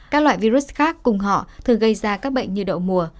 các loại virus khác cùng họ thường gây ra các bệnh như đậu mùa